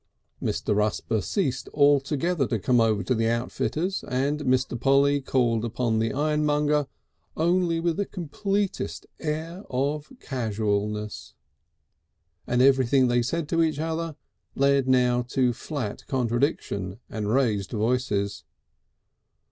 Mr. Rusper ceased altogether to come over to the outfitter's, and Mr. Polly called upon the ironmonger only with the completest air of casuality. And everything they said to each other led now to flat contradiction and raised voices.